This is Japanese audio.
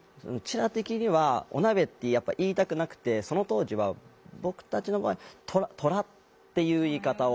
ら的にはオナベってやっぱ言いたくなくてその当時は僕たちの場合トラっていう言い方を。